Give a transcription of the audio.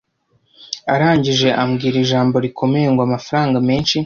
Arangije ambwira ijambo rikomeye ngo amafaranga menshi